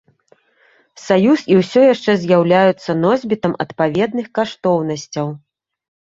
Саюз і ўсё яшчэ з'яўляюцца носьбітамі адпаведных каштоўнасцяў.